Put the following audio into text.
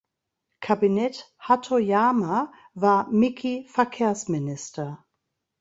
Kabinett Hatoyama war Miki Verkehrsminister.